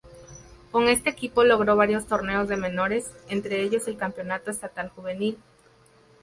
Con este equipo logró varios torneos de menores, entre ellos el campeonato estatal juvenil.